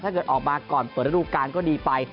เกิดออกมาก่อนเปิดระดูการก็ดีไป